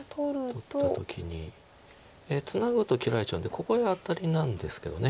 取った時にツナぐと切られちゃうんでここへアタリなんですけど。